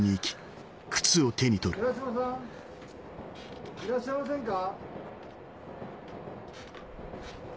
・寺島さん？・・いらっしゃいませんか？